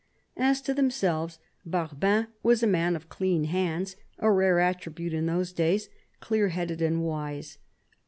As to themselves, Barbin was a man of clean hands, a rare attribute in those days ; clear headed and wise.